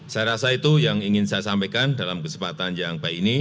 saya rasa itu yang ingin saya sampaikan dalam kesempatan yang baik ini